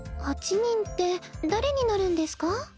８人って誰になるんですか？